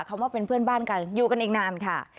คำว่าเป็นเพื่อนบ้านกันอยู่กันอีกนานค่ะ